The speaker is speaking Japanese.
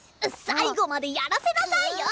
最後までやらせなさいよ！